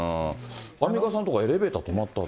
アンミカさんとかエレベーター止まったって。